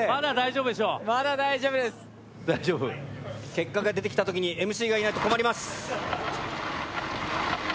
結果が出てきた時にＭＣがいないと困ります。